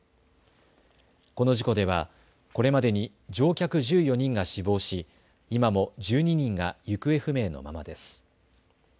この事故ではこれまでに乗客１４人が死亡し今も１２人が行方不明のままです。